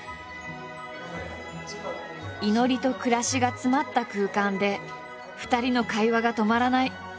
祈りと暮らしが詰まった空間で２人の会話が止まらない。